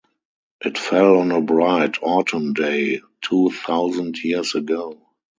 It fell on a bright autumn day two thousand years ago.